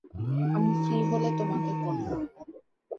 আমি ফ্রি হলে তোমাকে কল করব।